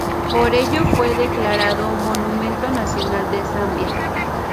Por ello fue declarado monumento nacional de Zambia.